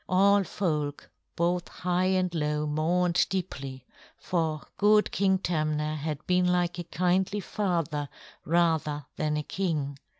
All folk both high and low mourned deeply, for good King Tamna had been like a kindly father rather than a king.